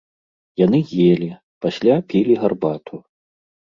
Яны елі, пасля пілі гарбату.